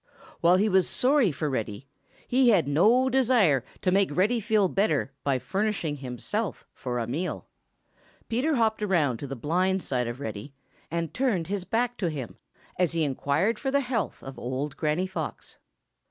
While he was sorry for Reddy, he had no desire to make Reddy feel better by furnishing himself for a meal. Peter hopped around to the blind side of Reddy and turned his back to him, as he inquired for the health of old Granny Fox.